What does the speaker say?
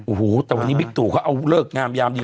โอ้โหแต่วันนี้บิ๊กตู่เขาเอาเลิกงามยามดี